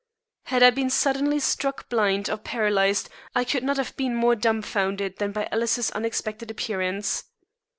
Had I been suddenly struck blind, or paralyzed, I could not have been more dumfounded than by Alice's unexpected appearance.